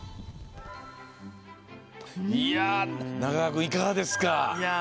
中川君、いかがですか。